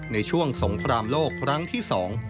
ในช่วงสงครามโลกครั้งที่สอง